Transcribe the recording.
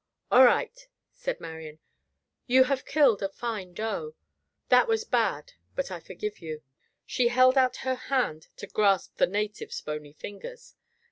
"All right," said Marian, "you have killed a fine doe. That was bad, but I forgive you." She held our her hand to grasp the native's bony fingers.